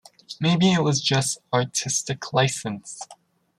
Maybe it was just artistic license.